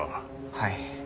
はい。